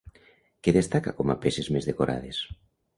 Què destaca com a peces més decorades?